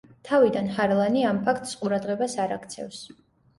თავიდან ჰარლანი ამ ფაქტს ყურადღებას არ აქცევს.